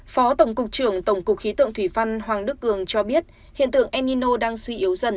phó tổng cục trưởng tổng cục khí tượng thủy văn hoàng đức cường cho biết hiện tượng enino đang suy yếu dần